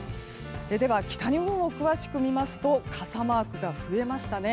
では、北日本を詳しく見ますと傘マークが増えましたね。